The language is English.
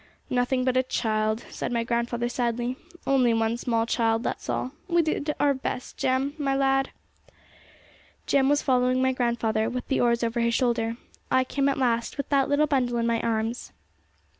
'Nothing but a child,' said my grandfather sadly. 'Only one small child, that's all. Well, we did our very best, Jem, my lad.' Jem was following my grandfather, with the oars over his shoulder. I came last, with that little bundle in my arms.